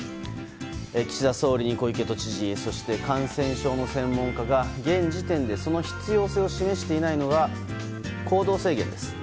岸田総理に小池都知事更に感染症の専門家が現時点でその必要性を示していないのが行動制限です。